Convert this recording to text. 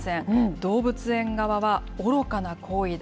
動物園側は、愚かな行為だ。